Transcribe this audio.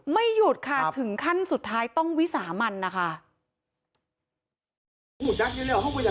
หยุดค่ะถึงขั้นสุดท้ายต้องวิสามันนะคะ